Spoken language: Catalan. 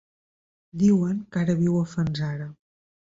Diuen que ara viu a Fanzara.